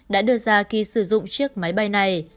đã đưa ra khi sử dụng chiếc máy bay này